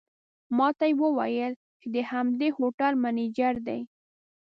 ماته یې وویل چې د همدې هوټل منیجر دی.